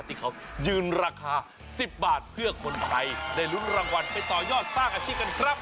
ที่เขายืนราคา๑๐บาทเพื่อคนไทยได้ลุ้นรางวัลไปต่อยอดสร้างอาชีพกันครับ